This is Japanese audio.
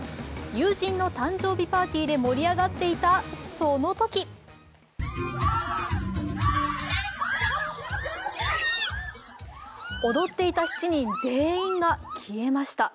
友人の誕生日パーティーで盛り上がっていた、そのとき踊っていた７人全員が消えました。